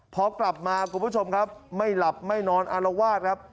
พอกลับมาคุณผู้ชมครับไม่หลับไม่นอนอารวาสครับ